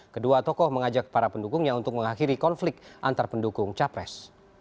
kedua tokoh mengajak para pendukungnya untuk mengakhiri konflik antar pendukung capres